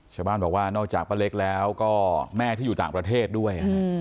ชาวบ้านบอกว่านอกจากป้าเล็กแล้วก็แม่ที่อยู่ต่างประเทศด้วย